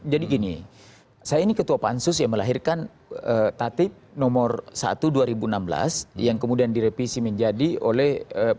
jadi gini saya ini ketua pansus yang melahirkan tatip nomor satu dua ribu enam belas yang kemudian direvisi menjadi oleh